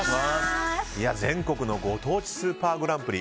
全国のご当地スーパーグランプリ。